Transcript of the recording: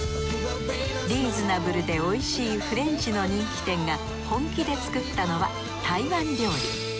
リーズナブルで美味しいフレンチの人気店が本気で作ったのは台湾料理。